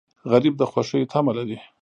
غریب د خوښیو تمه لري